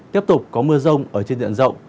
tiếp tục có mưa rông ở trên diện rộng